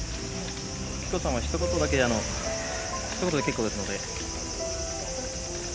紀子さま、ひと言だけ、ひと言で結構ですので。